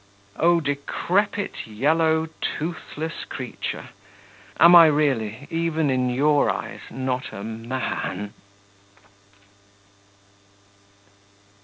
Oh, decrepit, yellow, toothless creature! Am I really, even in your eyes, not a man?